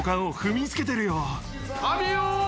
神よ！